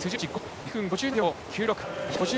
２分５７秒９６。